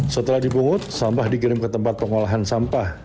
setelah dibungut sampah digirim ke tempat pengolahan sampah